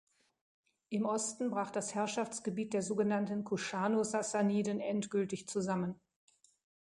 Im Osten brach das Herrschaftsgebiet der sogenannten Kuschano-Sassaniden endgültig zusammen.